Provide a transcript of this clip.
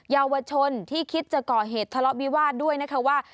เยาวชนที่คิดจะก่อเหตุทะเลาะวิวาสด้วยนะคะว่า